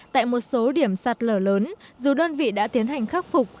tại một số điểm sạt lở lớn dù đơn vị đã tiến hành khắc phục